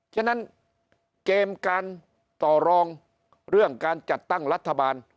ฉะนั้นเกมการต่อรองเรื่องการจัดตั้งรัฐบาล